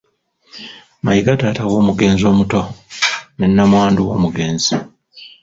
Mayiga taata w’omugenzi omuto, ne namwandu w’omugenzi.